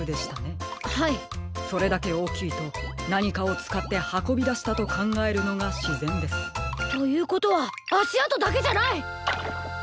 それだけおおきいとなにかをつかってはこびだしたとかんがえるのがしぜんです。ということはあしあとだけじゃない！